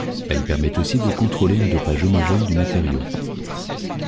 Elle permet aussi de contrôler un dopage homogène du matériau.